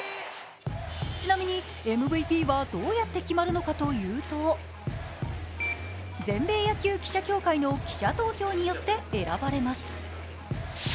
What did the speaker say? ちなみに、ＭＶＰはどうやって決まるのかというと、全米野球記者協会の記者投票によって選ばれます。